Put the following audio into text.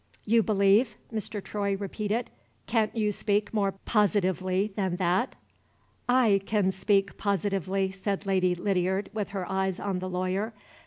"You believe?" Mr. Troy repeated. "Can't you speak more positively than that?" "I can speak positively," said Lady Lydiard, with her eyes on the lawyer.